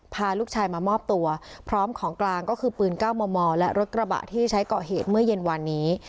พาลูกชายมามอบตัวพร้อมของกลางก็คือปืน๙มมและรถกระบะที่ใช้ก่อเหตุเมื่อเย็นวันนี้